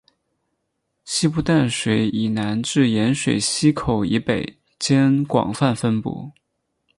西部淡水以南至盐水溪口以北间广泛分布。